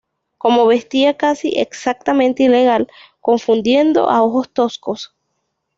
Como vestía casi exactamente igual, confundiendo a ojos toscos.